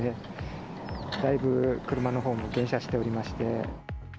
だいぶ車のほうも減車しておりまして。